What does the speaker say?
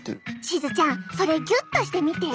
しずちゃんそれギュッとしてみて。